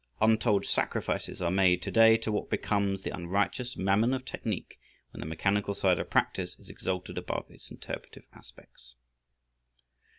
Untold sacrifices are made to day to what becomes the unrighteous mammon of technique when the mechanical side of practice is exalted above its interpretative aspects.